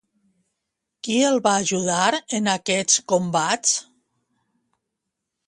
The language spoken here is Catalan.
Qui el va ajudar en aquests combats?